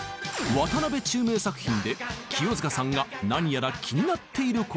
渡辺宙明作品で清塚さんが何やら気になっていることが。